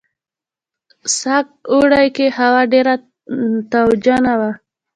سږ اوړي کې هوا ډېره تاوجنه وه.